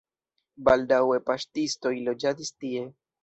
Baldaŭe paŝtistoj loĝadis tie.